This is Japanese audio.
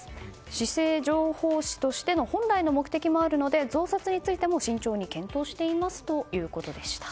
市政情報誌としての本来の目的もあるので増刷についても慎重に検討していますということでした。